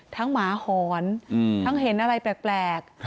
หมาหอนทั้งเห็นอะไรแปลก